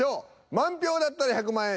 満票だったら１００万円！